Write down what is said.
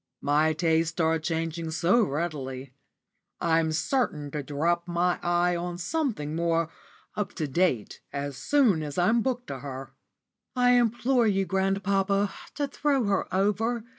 My tastes are changing so readily. I'm certain to drop my eye on something more up to date as soon as I'm booked to her." "I implore you, grandpapa, to throw her over.